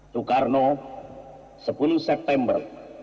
tukarno sepuluh september seribu sembilan ratus enam puluh enam